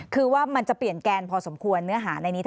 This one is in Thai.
คือว่ามันจะเปลี่ยนแกนพอสมควรเนื้อหาในนี้